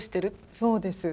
そうです。